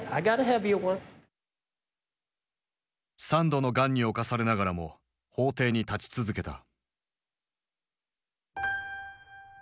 ３度のがんに侵されながらも法廷に立ち続けた。